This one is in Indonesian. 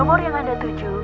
nomor yang anda tuju